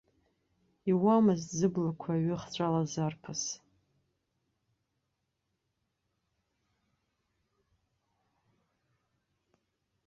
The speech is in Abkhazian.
Иуамызт зыблақәа аҩы хыҵәалахьаз арԥыс.